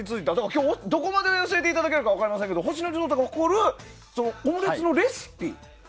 今日どこまで教えていただけるか分かりませんけど星野リゾートが誇るオムレツのレシピ。